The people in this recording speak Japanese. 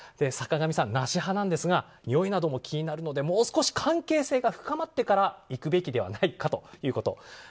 坂上さん、なし派ですがにおいなども気になるのでもう少し関係性が深まってから行くべきではないかということ。